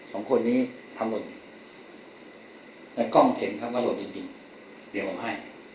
๒คนนี้ทำหล่นและกล้องเข็มครับก็หล่นจริงเดี๋ยวผมให้